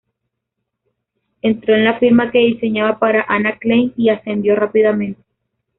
Entró en la firma que diseñaba para Ana Klein y ascendió rápidamente.